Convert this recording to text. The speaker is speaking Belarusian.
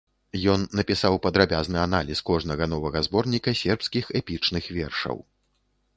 Ён напісаў падрабязны аналіз кожнага новага зборніка сербскіх эпічных вершаў.